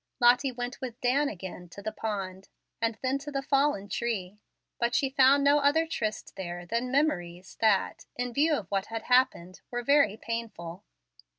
Lottie went with Dan again to the pond, and then to the "fallen tree"; but she found no other tryst there than memories, that, in view of what had happened, were very painful.